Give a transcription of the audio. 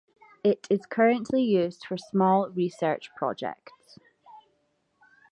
It is currently used for small research projects.